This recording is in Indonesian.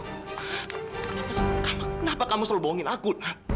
kenapa kamu selalu bohongin aku